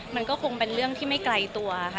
มันก็คงเป็นเรื่องที่ไม่ไกลตัวค่ะ